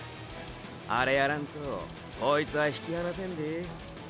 アレやらんとこいつは引き離せんで。